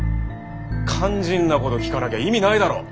肝心なこと聞かなきゃ意味ないだろ。